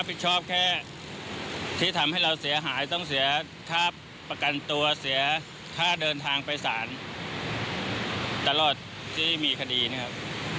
ตลอดที่มีคดีนะครับ